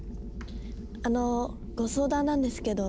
あのご相談なんですけど。